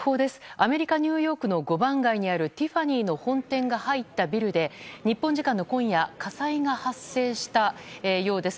アメリカ・ニューヨークの５番街にあるティファニーの本店が入ったビルで日本時間の今夜火災が発生したようです。